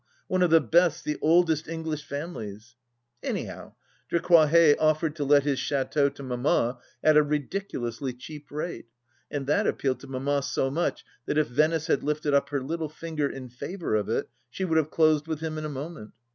one of the best, the oldest English families ! Anyhow, De Crawhez offered to let his chateau to Mamma at a ridiculously cheap rate, and that appealed to Mamma so much that if Venice had lifted up her little finger in favour of it she would have closed with him in a moment.